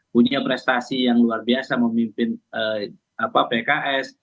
punya prestasi yang luar biasa memimpin pks